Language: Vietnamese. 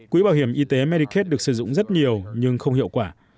quỹ bảo hiểm y tế medicate được sử dụng rất nhiều nhưng không hiệu quả